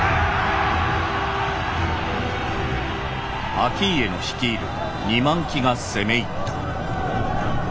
「顕家の率いる二万騎が攻め入った。